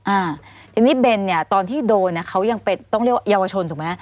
อ่าทีนี้เบนเนี่ยตอนที่โดนเนี่ยเขายังเป็นต้องเรียกว่าเยาวชนถูกไหม